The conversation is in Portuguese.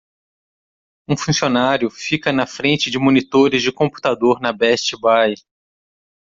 Um funcionário fica na frente de monitores de computador na Best Buy.